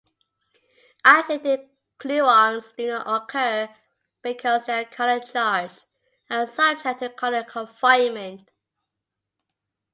Isolated gluons do not occur because they are color-charged and subject to color confinement.